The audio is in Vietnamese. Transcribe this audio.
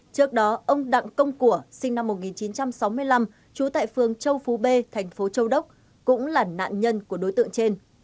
trước đó ông đặng công của sinh năm một nghìn chín trăm sáu mươi năm trú tại phương châu phú b thành phố châu đốc cũng là nạn nhân của đối tượng trên